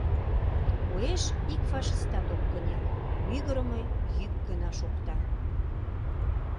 Уэш ик фашистат ок кынел, мӱгырымӧ йӱк гына шокта.